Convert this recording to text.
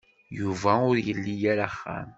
Yuba ur ili ara axxam.